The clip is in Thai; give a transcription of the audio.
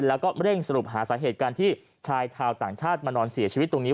แล้วก็เร่งสรุปหาสาเหตุการที่ชายชาวต่างชาติมานอนเสียชีวิตตรงนี้